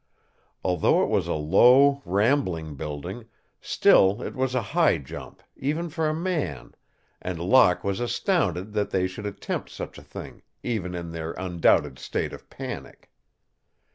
Although it was a low, rambling building, still it was a high jump, even for a man, and Locke was astounded that they should attempt such a thing, even in their undoubted state of panic.